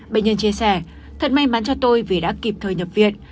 bệnh nhân chia sẻ thật may mắn cho tôi vì đã kịp thời nhập viện